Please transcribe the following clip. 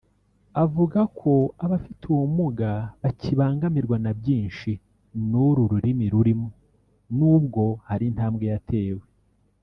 avuga ko abafite ubumuga bakibangamirwa na byinshi n’uru rurimi rurimo nubwo hari intambwe yatewe